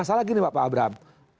apa yang salah dengan kamu